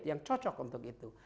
yang cocok untuk itu